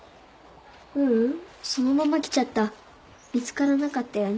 ううんそのまま来ちゃった見つからなかったよね